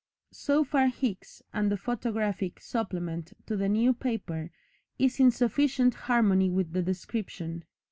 So far Hicks, and the photographic supplement to the New Paper is in sufficient harmony with the description.